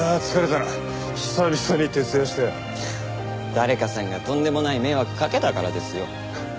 誰かさんがとんでもない迷惑かけたからですよ。